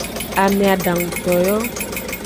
Ame adanguto yo.